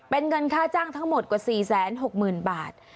เป็นเงินค่าจ้างทั้งหมดกว่า๔๖๐๐๐บาท